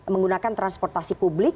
menggunakan transportasi publik